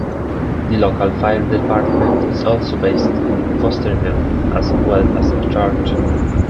The local Fire Department is also based in Fosterville as well as a church.